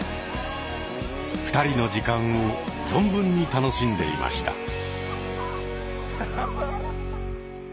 ２人の時間を存分に楽しんでいました。